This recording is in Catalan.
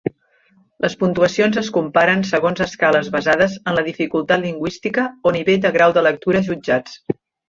Les puntuacions es comparen segons escales basades en la dificultat lingüística o nivell de grau de lectura jutjats.